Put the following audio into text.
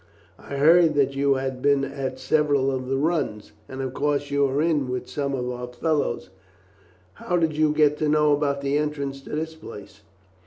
"I heard that you had been at several of the runs, and of course you are in with some of our fellows. How did you get to know about the entrance to this place?"